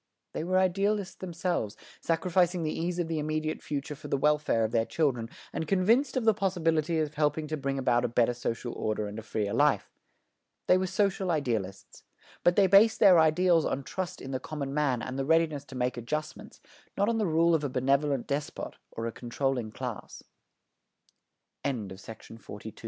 They were idealists themselves, sacrificing the ease of the immediate future for the welfare of their children, and convinced of the possibility of helping to bring about a better social order and a freer life. They were social idealists. But they based their ideals on trust in the common man and the readiness to make adjustments, not on the rule of a benevolent despot or a controlling class. The attraction of